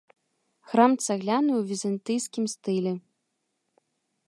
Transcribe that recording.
Храм цагляны ў візантыйскім стылі.